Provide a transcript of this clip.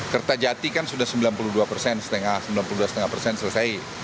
kertajati kan sudah sembilan puluh dua persen sembilan puluh dua lima persen selesai